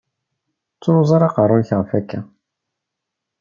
Ur ttruẓ ara aqerru-k ɣef akka!